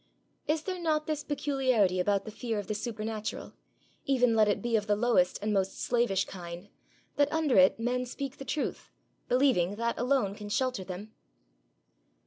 Is there not this peculiarity about the fear of the supernatural, even let it be of the lowest and most slavish kind, that under it men speak the truth, believing that alone can shelter them?